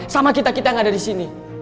sama kita kita yang ada disini